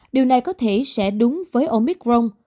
điều này có thể sẽ đúng với omicron